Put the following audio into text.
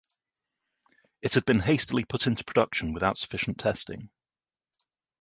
It had been hastily put into production without sufficient testing.